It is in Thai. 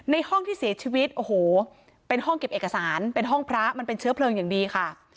ห้องที่เสียชีวิตโอ้โหเป็นห้องเก็บเอกสารเป็นห้องพระมันเป็นเชื้อเพลิงอย่างดีค่ะ